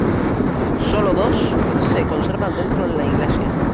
Sólo dos se conservan dentro en la iglesia.